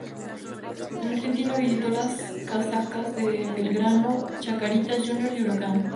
En Argentina vistió las casacas de Belgrano, Chacarita Juniors y Huracán